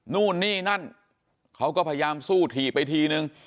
นู่นนี่นั่นเขาก็พยายามสู้ถีบไปทีนึง